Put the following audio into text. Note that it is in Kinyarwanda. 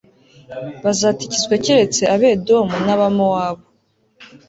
bazatikizwa keretse Abedomu n Abamowabu